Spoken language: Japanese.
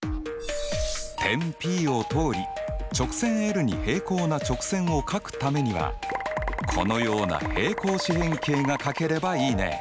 点Ｐを通り直線に平行な直線を書くためにはこのような平行四辺形が書ければいいね。